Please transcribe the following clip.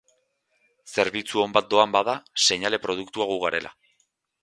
Zerbitzu on bat doan bada, seinale produktua gu garela.